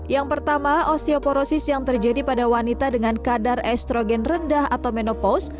yang pertama osteoporosis yang terjadi pada wanita dengan kadar estrogen rendah atau menopaus